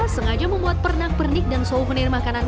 sengaja membuat pernak pernik dan souvenir makanan